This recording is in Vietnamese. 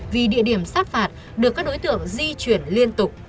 vì địa điểm sát phạt được các đối tượng di chuyển liên tục